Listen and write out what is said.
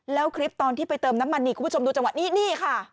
แล้วคลิปตอนที่ไปเติมน้ำมันนี่คุณผู้ชมดูจังหวะนี้นี่ค่ะ